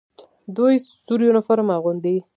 دوی سور یونیفورم اغوندي.